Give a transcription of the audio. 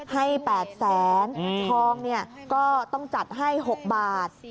ให้๘แสนทองก็ต้องจัดให้๖บาท